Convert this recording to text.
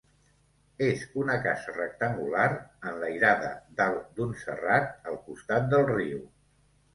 És una casa rectangular, enlairada dalt d'un serrat, al costat del riu.